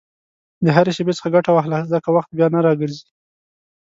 د هرې شېبې څخه ګټه واخله، ځکه وخت بیا نه راګرځي.